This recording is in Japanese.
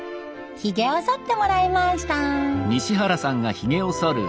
ひげをそってもらいました。